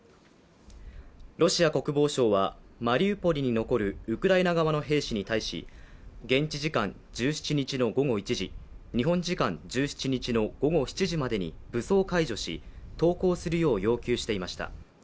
ロシア国防省はマリウポリに残るウクライナ側の兵士に対し現地時間１７日の午後１時日本時間１７日の午後７時までに武装解除し投降するよう要求していました。